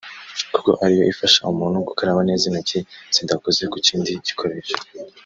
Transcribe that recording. kuko ariyo ifasha umuntu gukaraba neza intoki zidakoze ku kindi gikoresho